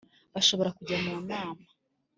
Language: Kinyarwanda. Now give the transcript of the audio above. Bashobora kujya nu nama